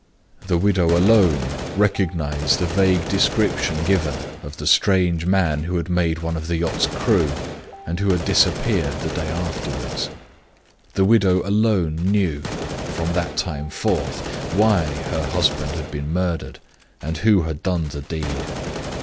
The widow alone recognized the vague description given of the strange man who had made one of the yacht's crew, and who had disappeared the day afterward. The widow alone knew, from that time forth, why her husband had been murdered, and who had done the deed.